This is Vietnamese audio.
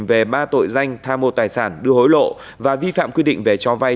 về ba tội danh tha mô tài sản đưa hối lộ và vi phạm quy định về cho vay